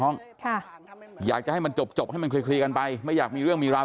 ห้องค่ะอยากจะให้มันจบให้มันเคลียร์กันไปไม่อยากมีเรื่องมีราว